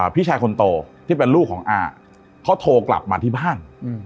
พี่ชายคนโตที่เป็นลูกของอาเขาโทรกลับมาที่บ้าน